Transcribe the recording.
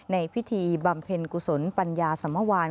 ในพิธีบำเพ็ญกุศลปัญญาสมวาน